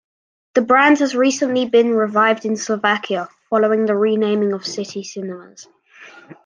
The brand has recently been revived in Slovakia, following the renaming of City Cinemas.